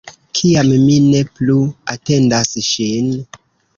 Kiam mi ne plu atendas ŝin.